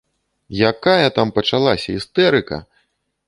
Якая там пачалася істэрыка!!!